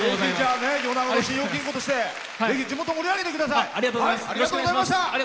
ぜひ、米子信用金庫として地元、盛り上げてください。